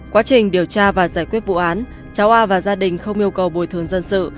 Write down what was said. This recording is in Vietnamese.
quá trình điều tra và giải quyết vụ án cháu a và gia đình không yêu cầu bồi thường dân sự